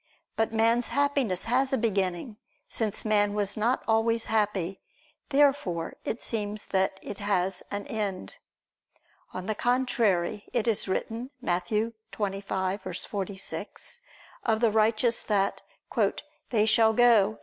But man's Happiness has a beginning, since man was not always happy. Therefore it seems that it has an end. On the contrary, It is written (Matt. 25:46) of the righteous that "they shall go